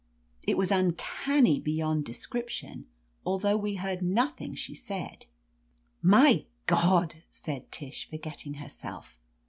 It was uncanny be yond description, although we heard nothing she said. "My God 1" said Tish, forgetting herself.